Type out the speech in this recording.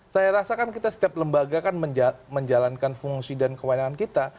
saya rasa kan kita setiap lembaga kan menjalankan fungsi dan kewenangan kita